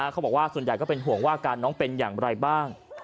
เขาบอกว่าส่วนใหญ่ก็เป็นห่วงว่าอาการน้องเป็นอย่างไรบ้าง